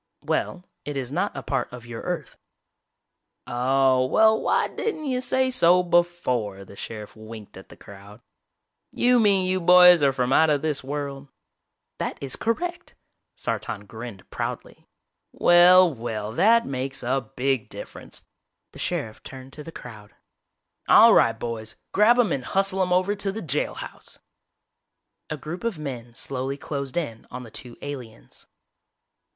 "Well, it is not a part of your Earth." "Oh, well why didn't you say so before!" The sheriff winked at the crowd. "You mean you boys are from out of this world?" "That is correct," Sartan grinned proudly. "Well, well! That makes a big difference!" The sheriff turned to the crowd. "All right, boys, grab them and hustle them over to the jail house!" A group of men slowly closed in on the two aliens.